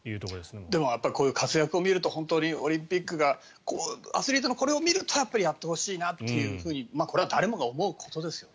でもこういう活躍を見るとオリンピックがこういうアスリートの活躍を見るとやってほしいなというふうにこれは誰もが思うことですよね。